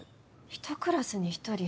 １クラスに１人。